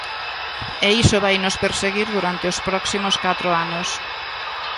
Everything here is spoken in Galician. E iso vainos perseguir durante os próximos catro anos.